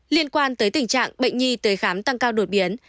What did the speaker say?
liên quan tới tình trạng bệnh nhi tới khám tăng cao đột biến